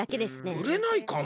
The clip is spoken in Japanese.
うれないかな？